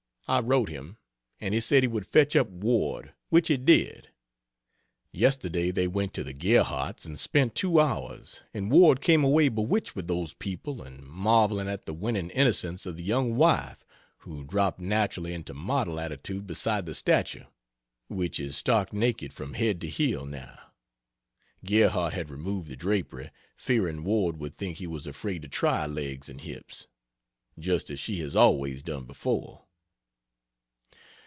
I wrote him, and he said he would fetch up Ward which he did. Yesterday they went to the Gerhardts and spent two hours, and Ward came away bewitched with those people and marveling at the winning innocence of the young wife, who dropped naturally into model attitude beside the statue (which is stark naked from head to heel, now G. had removed the drapery, fearing Ward would think he was afraid to try legs and hips) just as she has always done before.